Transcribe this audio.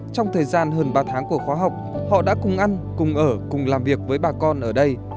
trong thời gian hơn ba tháng của khóa học họ đã cùng ăn cùng ở cùng làm việc với bà con ở đây